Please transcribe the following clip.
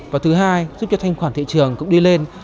và thứ hai giúp cho thanh khoản thị trường cũng đi lên